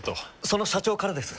その社長からです。